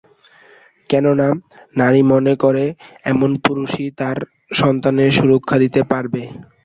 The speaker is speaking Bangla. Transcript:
কেননা, নারী মনে করে এমন পুরুষই তার সন্তানের সুরক্ষা দিতে পারবে।